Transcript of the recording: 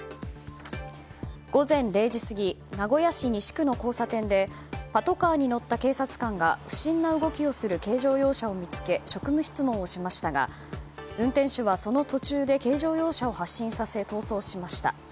午前０時過ぎ名古屋市西区の交差点でパトカーに乗った警察官が不審な動きをする軽乗用車を見つけ職務質問しましたが、運転手はその途中で軽乗用車を発進させ逃走しました。